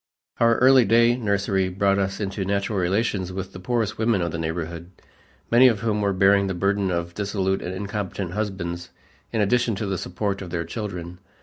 Our early day nursery brought us into natural relations with the poorest women of the neighborhood, many of whom were bearing the burden of dissolute and incompetent husbands in addition to the support of their children.